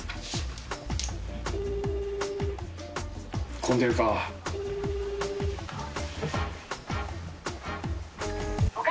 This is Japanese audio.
混んでるか。